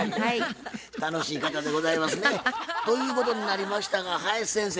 楽しい方でございますね。ということになりましたが林先生